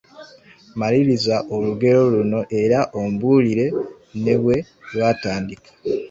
Maliriza olugero luno era ombuulire ne bwe lwatandika.